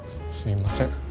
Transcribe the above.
すいません。